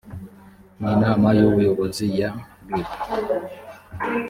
n inama y ubuyobozi ya rib